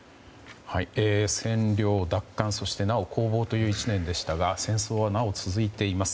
占領、奪還そしてなお攻防という１年でしたが戦争はなお続いています。